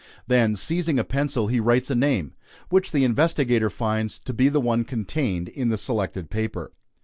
Then seizing a pencil, he writes a name, which the investigator finds to be the one contained in the selected paper.